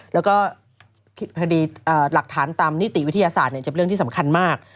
แล้วก็คดีหลักฐานตามนิติวิทยาศาสตร์จะเป็นเรื่องที่สำคัญมาก